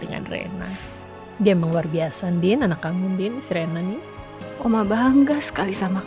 gak boleh bukan kayak gini banget ya mbak